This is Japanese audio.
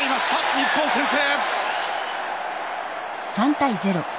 日本先制！